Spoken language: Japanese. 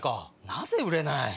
なぜ売れない？